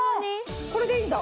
これでいいんだ。